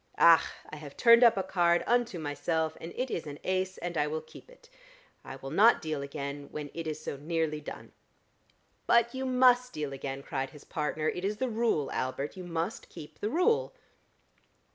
Ach! I have turned up a card unto myself, and it is an ace, and I will keep it. I will not deal again when it is so nearly done." "But you must deal again," cried his partner. "It is the rule, Albert, you must keep the rule."